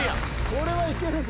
これはいけるぞ。